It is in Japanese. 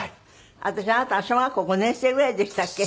私あなたが小学校５年生ぐらいでしたっけ？